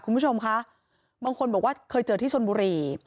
คุณผู้ชมคะบางคนบอกว่าเคยเจอที่ชนบุรี